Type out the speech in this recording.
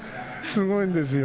すごいんですよ。